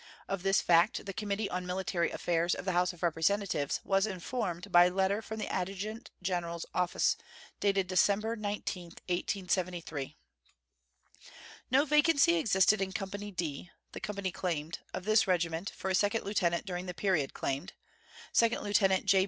Of this fact the Committee on Military Affairs of the House of Representatives was informed by letter from the Adjutant General's Office dated December 19, 1873. No vacancy existed in Company D (the company claimed) of this regiment for a second lieutenant during the period claimed, Second Lieutenant J.